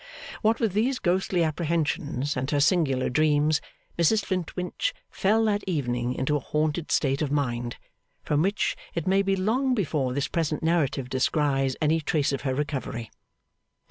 What with these ghostly apprehensions and her singular dreams, Mrs Flintwinch fell that evening into a haunted state of mind, from which it may be long before this present narrative descries any trace of her recovery.